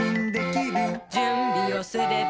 「じゅんびをすれば」